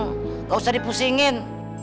enggak usah dipusingin